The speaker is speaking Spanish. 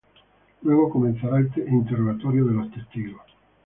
Luego comenzará el interrogatorio de testigos.